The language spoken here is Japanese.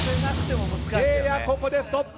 せいや、ここでストップ。